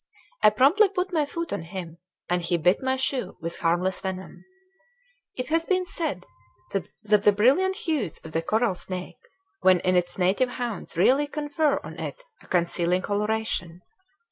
I promptly put my foot on him, and he bit my shoe with harmless venom. It has been said that the brilliant hues of the coral snake when in its native haunts really confer on it a concealing coloration.